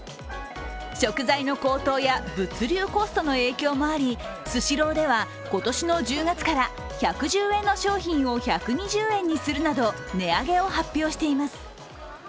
食材の高騰や物流コストの影響もあり、スシローでは今年の１０月から１１０円の商品を１２０円にするなど値上げを発表しています。